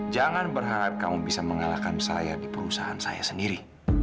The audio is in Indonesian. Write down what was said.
jangan berharap kamu bisa mengalahkan saya di perusahaan saya sendiri